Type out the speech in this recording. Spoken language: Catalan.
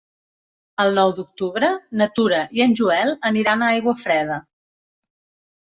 El nou d'octubre na Tura i en Joel aniran a Aiguafreda.